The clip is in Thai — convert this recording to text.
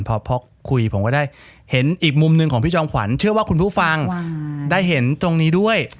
พอคุยผมก็ได้เห็นอีกมุมหนึ่งของพี่จอมขวัญเชื่อว่าคุณผู้ฟังได้เห็นตรงนี้ด้วย